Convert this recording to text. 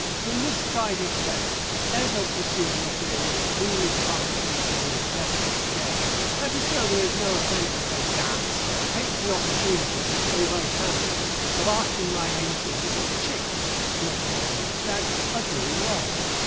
The misguided cleric, ever pursuing a theory of foolish condescension to his betters at the game, and to show there is no offence at the "Yaaps," takes the opportunity, although panting, of asking my ancient if his chicks late threatened with staggers are doing well.